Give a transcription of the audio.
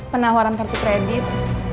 penawaran kartu kredit